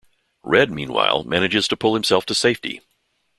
Red meanwhile manages to pull himself to safety.